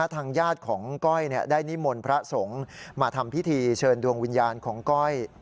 ทางญาติของก้อยได้นิมนต์พระสงฆ์มาทำพิธีเชิญดวงวิญญาณของก้อย